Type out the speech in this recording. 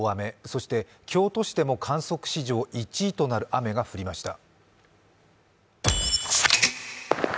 そして京都市でも観測史上１位となる雨が降りました。